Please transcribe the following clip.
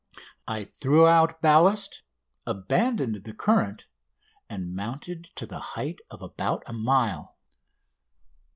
I threw out ballast, abandoned the current, and mounted to the height of about a mile.